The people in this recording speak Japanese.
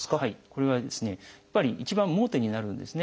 これはやっぱり一番盲点になるんですね。